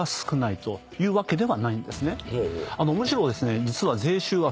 むしろですね。